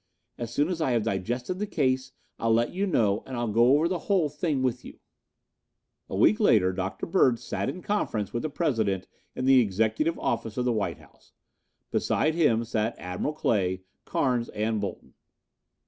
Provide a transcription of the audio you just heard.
As soon as I have digested the case I'll let you know and I'll go over the whole thing with you." A week later Dr. Bird sat in conference with the President in the executive office of the White House. Beside him sat Admiral Clay, Carnes and Bolton.